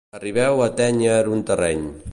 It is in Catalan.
Arribeu a atènyer un terreny.